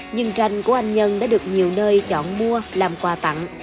nhưng tranh của anh nhân đã được nhiều nơi chọn mua làm quà tặng